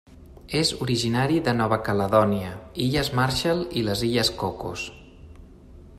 És originari de Nova Caledònia, Illes Marshall i les Illes Cocos.